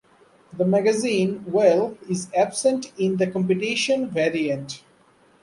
The magazine well is absent in the competition variant.